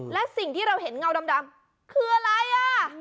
และสิ่งที่เราเห็นเงาดำคืออะไรอ่ะ